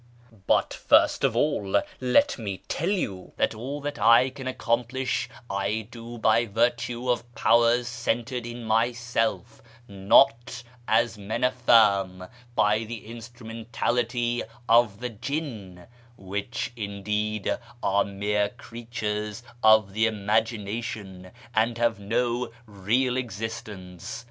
But first of all let me tell you that all that I can accomplish I do by virtue of powers centred in myself, not, as men affirm, by the instrumentality of the jimi, which, indeed, are mere creatures of the imagination, and have no real existence.